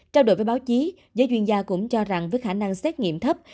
trong đổi với báo chí giới duyên gia cũng cho rằng với khả năng xét nghiệm thấp